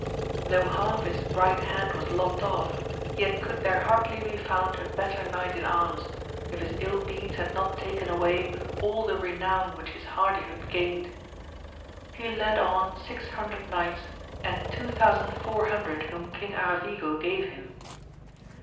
Though half his right hand was lopt off, yet could there hardly be found a better knight in arms, if his ill deeds had not taken away all the renown which his hardihood gained. He led on six hundred knights, and two thousand four hundred whom King Aravigo gave him.